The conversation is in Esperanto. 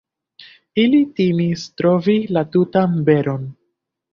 Ili timis trovi la tutan veron.